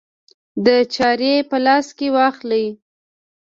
د چارې په لاس کې واخلي.